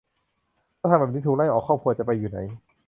ถ้าทำแบบนี้ ถูกไล่ออก ครอบครัวจะไปอยู่ไหน